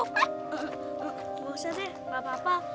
gak usah sih gak apa apa